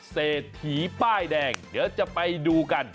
เศรษฐีป้ายแดงเดี๋ยวจะไปดูกัน